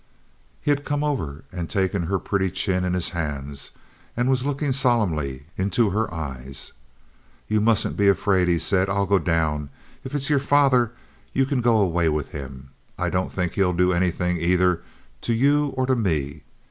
He had come over and taken her pretty chin in his hands, and was looking solemnly into her eyes. "You mustn't be afraid," he said. "I'll go down. If it's your father, you can go away with him. I don't think he'll do anything either to you or to me.